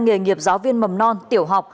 nghề nghiệp giáo viên mầm non tiểu học